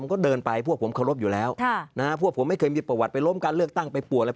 ก็เดินไปพวกผมเคารพอยู่แล้วพวกผมไม่เคยมีประวัติไปล้มการเลือกตั้งไปปวดอะไร